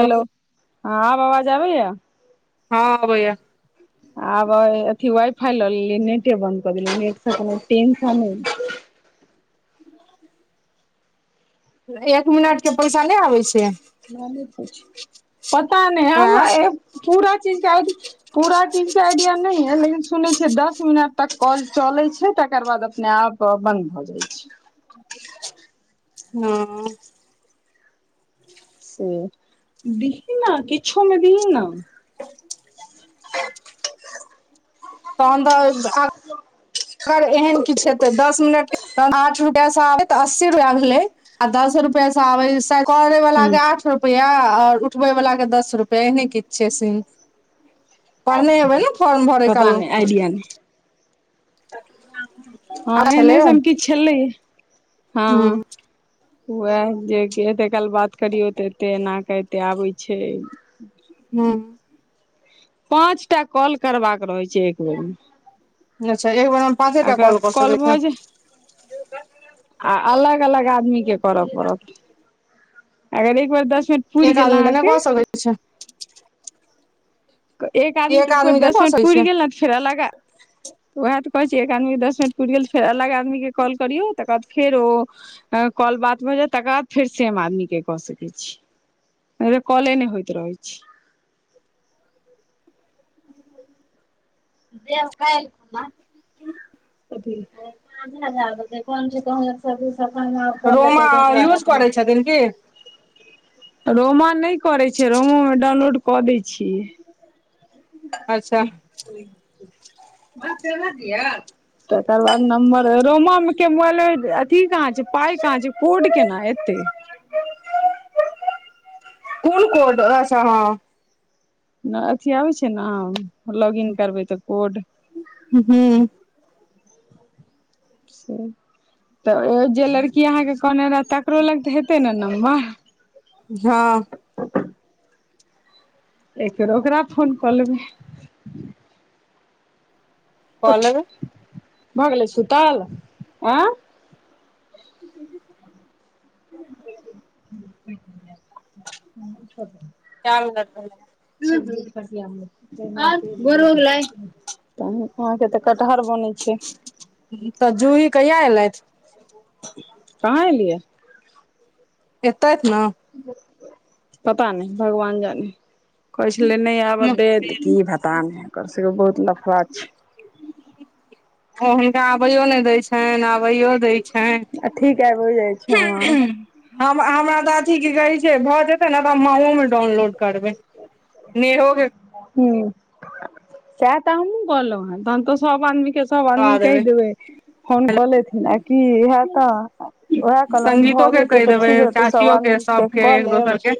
Hello हं आब आवाज आबैया हँ अबइयै आब अथी वाइ फाइ लऽ लेली नेटे बन्द कऽ देली नेट से कोनो टेसन होइ छै एक मिनट के पैसा नय आबै छै पता नय आँ हम पूरा चीज के आइडि पूरा चीजके आइडिया नय है लेकिन सुनै छय दस मिनट तक कॉल चले छै तकर बाद अपने आप बंद भ जाय छै हँ से दीही ने किछमे दीही ने तहन तऽ हं अगर एहन किछु हेतै दस मिनट के तऽ आठ रुपआ से तऽ अस्सी रुपैआ भेलै आ दस रुपैआ सं आबै करै वला ह के आठ रुपैआ आओर उठबै वाला के दस रुपआ एहने किछु छै सीम पढ़ने हबै ने फर्म भर कलो किया ने हँ आ छलै एने से हम कि छलै हूँ हँ उएह जे एतेक काल बात करियौ तऽ एते एना कऽ एते आबै छय हूँ पाँच टा कॉल करबाक रहय छै एक बेर में अच्छा एकबार हम पाँचे टा काल कऽ कॉल सकय छियै भऽ जाय आ अलग अलग आदमीे के करऽ पड़त अगर एक बेर दस मिनट पुइर गेल अहाँके अच्छा एक आदमीे एक बेर आदमी के दस कऽ मिनट सकै पुइर छै गेल नेऽत फेर लगा उएह तऽ कहय छी एक आदमी के दस मिनट पूरि गेल त फेर अलग आदमी के कॉल करियौ तकर बाद फेर ओ कॉल बात भऽ जैत तकर बाद फेर सेम आदमी के कऽ सकैत छी कले नय होइत रहै छै [inaudible] से अब काल्हि खन [unintelligible] समे आब कऽ लेतइ ताहि रोमा दुआरे यूज करै नहि छथिन की छै रोमा नय करै छै रोमोमे डाउनलोड कऽ दै छियै अच्छा [unintelligible] तकर बाद नम्बर रोमा के मोबाइल अथी कहाँ छय पाइ कहाँ छै कोड केना एतै कोन कोड अच्छा हं नय अथी आबै छै ने लॉगिन करबै तऽ कोड हूं हूँ तऽ जे लड़की अहाँके कहने रहै तकरो लग तऽ हेतइ ने नम्बर हाँ एक बेेर ओकरा फोन कऽ लेबइ कऽ उठ लेबै भऽ गेलै सुतल आय [inaudible] काम लत [unintelligible] गर ल त अहाँके तऽ कटहर बनैत छय तऽ जूही कहिया एलइथ कहाँ एलियै एतयत ने पता नय भगवान जानी कहै छलै नहि आबऽ देत की भात पता नय ओकर सहो बहुत लफरा छै ओ हुनका आबैयो नय दै छैन आबैयो दै छैन ठीक हो जाइ छ्य हमरा अथी के कहइ छै भऽ जेतै नेऽ त हम मां ओ मे डाउनलोड करबै नेहो के हूँ सहै तऽ हमहु कहलु है तहन तऽ सब आदमी के सब आदमी करबा कहि देबै देबय फोन कऽ लेथिन आ की हेतऽ उएह कहलहुँ संगीतो भऽ के जेते कहि तऽ देबै ठीक रहतै सभ चाचियो आदमी के सबके एक दोसर के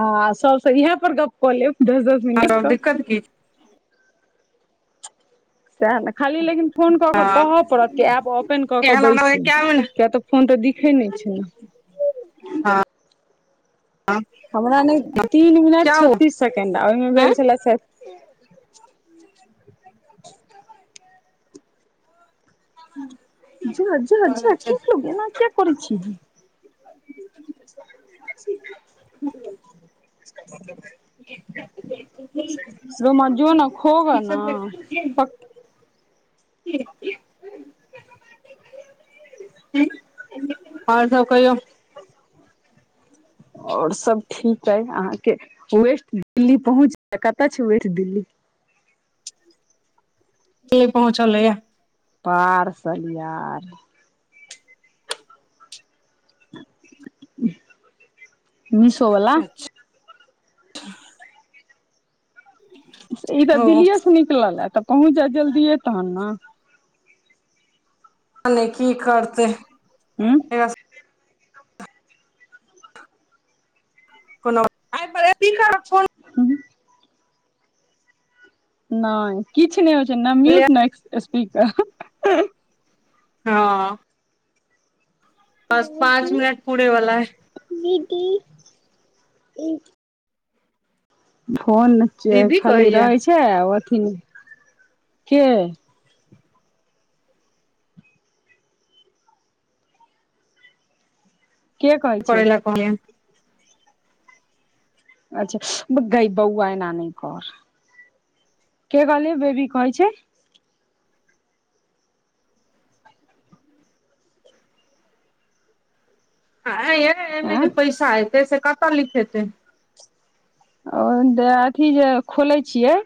हं सबसँ इहै पर गप्प कऽ लेब हां तऽ मिनटके दिक्कत की छै सेहै ने खाली लेकिन फोन कऽ कऽ हँ कहअ पड़त कि ऐप ओपेन कऽ कऽ एहन हमरा बैसू क्या किया हँ तऽ फोन तऽ दिखै नय छै हमरा नय तीन मिनट क्या छत्तीस हुआ सेकेंड आ ओहिमे आँय भेल छलै [inaudible] जे झकझक लगे ने, किएक करै छी? रोमा जो ने खोग न। [inaudible] आओर सभ कहियौ? आओर सभ ठीक अइ अहाँकेँ वेस्ट दिल्ली पहुँच कतय छै वेस्ट दिल्ली त पहुँच हले। पार सही आर मिशो वला। ई तऽ ओ दिल्लीसे निकल ह तऽ पहुँच जाय जल्दिए तहन ने। पता नहि की करतै। हूँ। ठीक। कोनो [unintelligible] हूँ। नहि किछु नहि होइ छै, नहि म्यूट नहि सपीकर हँ। बस पाँच मिनट पुरे वला है। दीदी [unintelligible] फोन दीदी खाली कहैया रहै छै, अथीके के कहै छै करय लै‌ कहलियें। अच्छा, गे बौआ न नहि घर। के कहलि बेबी कहै छै? एहिमे आँ जे पैसा एतै से कतऽ लिखेतै। ओ अथि जे खोले छियै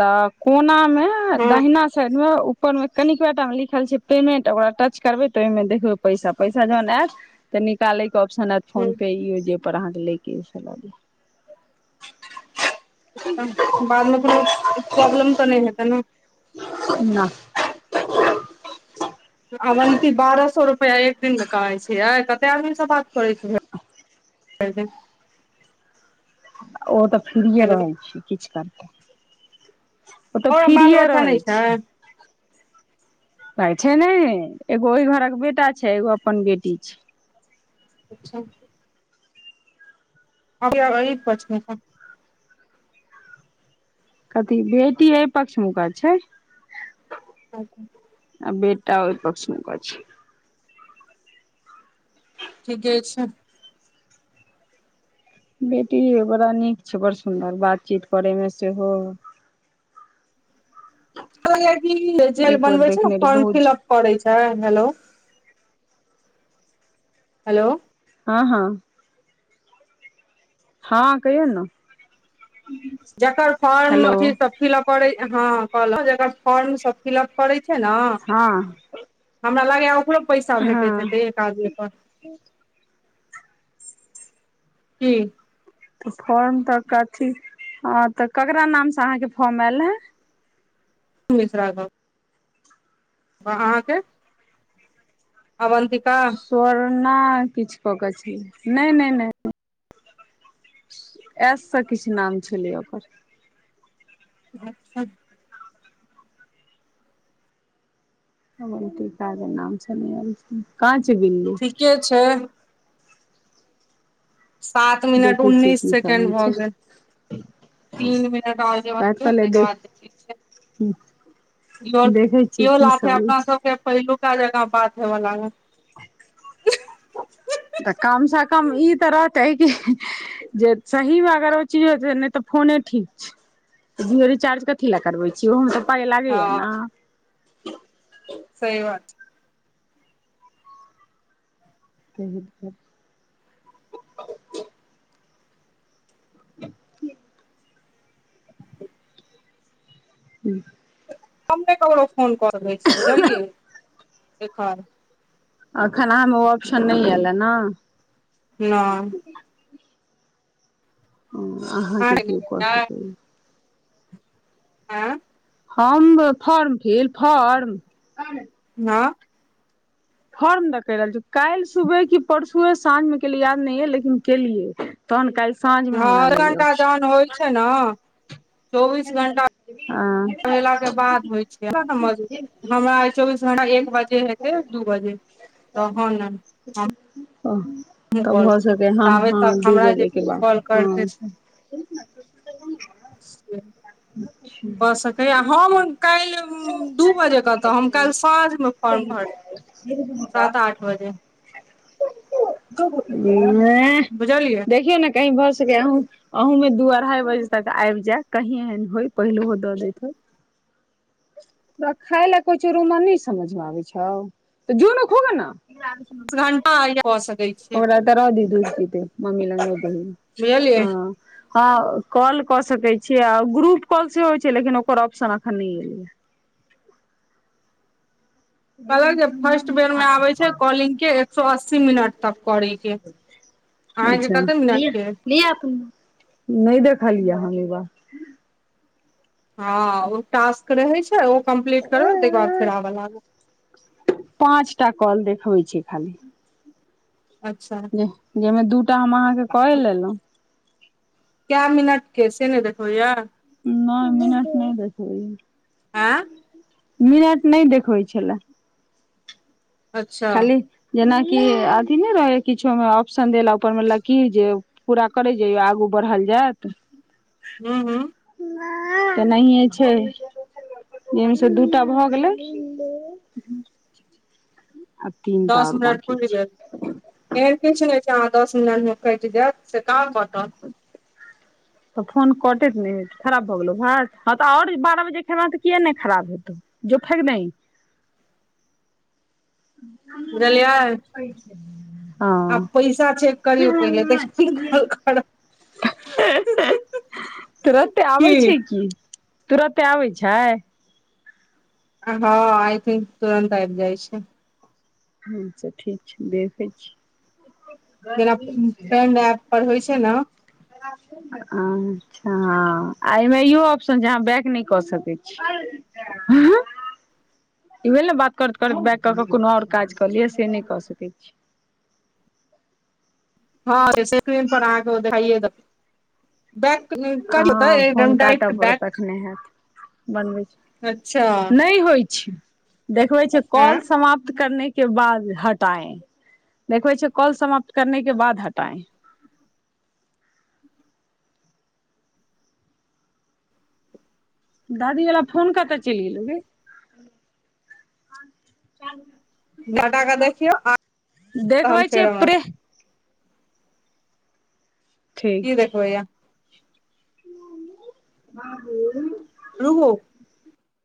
तऽ कोनामे हँ दहिना साइडमे ऊपरमे कनिकटामे लिखल छै पेमेंट ओकरा टच करबे तऽ ओहिमे देखबै पैसा पैसा जहन आयत। तऽ निकालयके ऑप्शन आयत हँ फोनपे, जेहिर अहाँकेँ लऽ कऽ से लऽ लेत। बादमे कोनो प्रॉब्लम तऽ नहि हेतै ने। ह। अवन्ती बारह सए रुपैआ एक दिनमे कमाइ छियै कते आदमीसँ बात करै छै। भरि दिन। ओ तऽ फ्रेये हेलो रहैत छै किछु करतै ओ तऽ और बाल फ्रिये बच्चा रहै नहि छै। कहै छै, ने एगो ओहि घरक बेटा छै, एगो अपन बेटी छै, अच्छा। अ [unintelligible] कथी बेटी एहि पक्ष मुक छै। अच्छा। आ बेटा ओहि पक्षन छै। ठीके छै। बेटी बड़ा निक छै, बड़ सुन्दर बातचीत करेमे सेहो [inaudible] जेल एक बेर बनबे छै, ने देखने रहे फॉर्म बहुत फिलअप करै छै, हेलो। हेलो। हँ, हँ। हँ कहियौ ने। जकर फॉर्म हेलो अथि सब फिलप करै हँ कहलौ जकर फॉर्म सब फिलअप करै छैय ने हँ हमरा लगै या ओकरो पैसा भेटैत हँ हेतै एक आदमी पर। की तऽ फॉर्म तऽ कथी ह तऽ केकरा नाम से अहाँके फॉर्म आयल रहा? [unintelligible] अहाँके? अवंतिका तोहरना किछु क के छैय नहि नहि नहि। एशसँ किछु नाम छलै ओकर। [unintelligible] अवंतिकाके नाम छलैया काँहां छैय बिल्ली? के छैय? सात मिनट देखे छियै उन्नीस की सब सेकेंड होइ भऽ छै गेल। तीन मिनट [unintelligible] बाद ठीक छैय। हूं इहो लाथे अपना सबके पहिलुका जका बात हेव लागल। तऽ कमसँ कम ई तऽ रहतै कि जे सहीमें अगर ओ चीज होत नहि तऽ फोने ठीक छैय। जिओ रीचार्ज कथी लए करबै छीयै ओहोमे तऽ पाइ लागैया हँ ने। सही बात। सही बात [unintelligible] [inaudible] हू हम नहि ककरो फोन कऽ दै छियै बुझलियै एखन। अखन आहांमे ओ ऑप्शन नहि एयल ह ने। नहि अहाँके केओ कऽ आँ सकैया। आँ हम फॉर्म फिल फॉर्म? हँ फॉर्म द कही रहल छी काल्हि सुबह कि परसुए साँझमे केलियै याद नहि य लेकिन केलियै। तहन काल्हि साँझमे हमरा मिलै ऑप्शन। छैय ने। चौबीस घंटा [unintelligible] [unintelligible] के बाद हँ होइ छैय [unintelligible] हमरा आय चौबीस घंटा एक बजे हेतै दू बजे तऽ [unintelligible] ओ तब हो सकेैया हँ ताबे हँ तक दू हमरा जे बजे के केओ बाद कॉल करतै हँ। से [unintelligible] कऽ सकैया आ हम काल्हि दू बजे कतऽ हम काल्हि साँझमे फॉर्म भरलियै सात आठ बजे। [unintelligible] बुझलियै देखियौ ने कही भ सकैया आँहु अह में दू अढ़ाई बजे तक आबि जाय कही एहन होय पहिलोहो दऽ दैत होे तरा खाय ल को चोरू न समझमे आबै छ तऽ जून खबे ने ठंडा आ य हो सकै छियै ओरा तँ रह दी धूर पी मम्मी ल नोदल ह बुझलियै हँ कॉल कऽ सकै छीयै आ ग्रुप कॉल सेहो होइ छै लेकिन ओकर ऑप्शन अखन नहि एलेा कहलक जे फर्स्ट बेर में आबइ छै कॉलिंग के एक सए अस्सी मिनट तक करे के अहाँके अच्छा कते मिनट के नय देखा लिया हम बार हँ ओ टास्क रहय छै ओ कम्प्लीट करबै ताहिके बाद फेर आबऽ लाग पाँचटा कल देखबइ छै खाली अच्छा जाहि में दूटा हम अहाँके क लेलहुं क्या मिनट के से नय देखबै या नय मिनट नहि देखबै आँ या मिनट नहि देखबै छलए अच्छा खाली जेनाकि अथी नय रहै ह किछो मे ऑप्शन देला ऊपर में लकीर जे पूरा करय जैयौ आगू बढ़ल जायत हूँ हूँ तऽ नाए छै जैमे से दू टा भऽ गेलै हं आ तीन टा दस आओर मिनट बाकी पुइर छै गेल एहन किछ नहि छै अहाँ दस मिनट मे कटि जायत से कहाँ कटत [unintelligible] तऽ फोन कटइ नहि खराब भऽ गेलौ भात हँ तऽ आओर बारह बजे खेब तऽ किए नहि खराब हेतौ जो फैंक दही जलिय प छय आब पैसा चेक करियउ पहिले त कल करब तुरन्ते की आबै छै की तुरते आबै छै हँ आइ थिंक तुरन्त आब जाइ छय हच ता ठीक छै देखै छीय जेना फ्रेंड एप पर होइ छय ने हं हँ आ एहिमें इहो ऑप्शन जे अहाँ बैक नहि कऽ सकै छी हँ इ भेलइ ने बात करैत करैत बैक कऽ क कोनो आओर काज क लिये से नहि कऽ सकैत छी हँ से स्क्रीन पर अहाँके ओ देखाइए बैंक करतै एकदम डाइट बैंक नय हैत बनबै अच्छा छी नहि होइ छै देखबै छै हँ कॉल समाप्त करने के बाद हटाए देखबै छय कॉल समाप्त कर के बाद हटाए दादीवला फोन कते चलि गेलहु गी चाल डटाके देखियौ आ गे त हम देखबै छै फेर प्रे की देखबइ या बाबूल रुओ